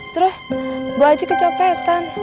terus bu haji kecopetan